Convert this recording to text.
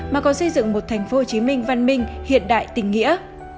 mà còn xây dựng một tp hcm văn minh hiện đại tình nghĩa